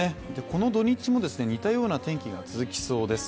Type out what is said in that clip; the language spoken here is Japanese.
この土日も似たような天気が続きそうです。